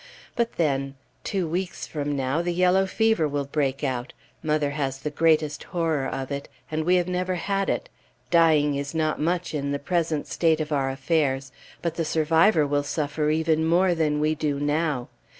But then two weeks from now the yellow fever will break out; mother has the greatest horror of it, and we have never had it; dying is not much in the present state of our affairs, but the survivor will suffer even more than we do now.